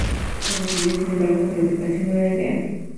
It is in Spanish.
Se decidió, sin embargo, que la ubicación no era ideal.